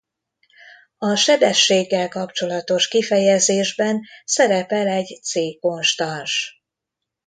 A sebességgel kapcsolatos kifejezésben szerepel egy C konstans.